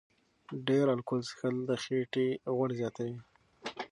ډېر الکول څښل د خېټې غوړ زیاتوي.